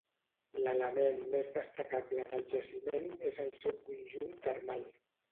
L'element més destacable del jaciment és el seu conjunt termal.